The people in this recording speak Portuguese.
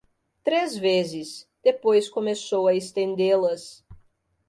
Três vezes; depois começou a estendê-las.